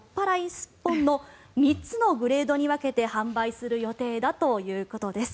すっぽんの３つのグレードに分けて販売する予定だということです。